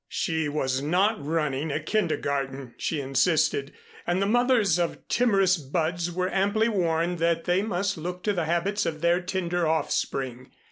She was not running a kindergarten, she insisted, and the mothers of timorous buds were amply warned that they must look to the habits of their tender offspring.